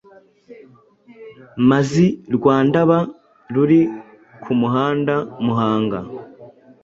mazi rwa Ndaba, ruri ku muhanda Muhanga–